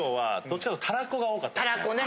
たらこね。